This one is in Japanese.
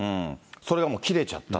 それがもう切れちゃった。